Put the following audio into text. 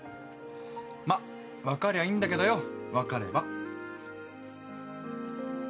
まあ分かりゃいいんだけどよ分かれば。